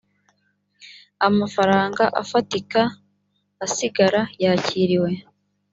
amafaranga afatika asigara yakiriwe